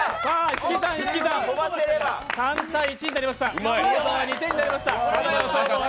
引き算、引き算、３−１になりました、その差は２点になりました。